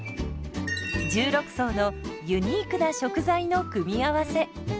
１６層のユニークな食材の組み合わせ。